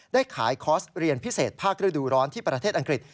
ได้ขายคอร์สเรียนพิเศษภาคฤดูร้อนที่ประเทศอังกฤษ